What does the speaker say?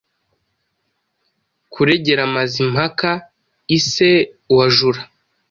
kuregera Mazimpaka.ise wajura